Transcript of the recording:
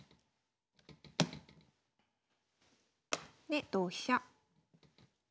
で同飛車。